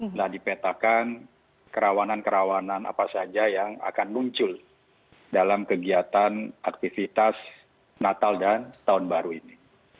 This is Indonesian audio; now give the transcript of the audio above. telah dipetakan kerawanan kerawanan apa saja yang akan muncul dalam kegiatan aktivitas natal dan tahun baru ini